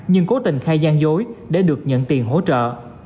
nhưng cố tình khai gian dối để được nhận tiền hỗ trợ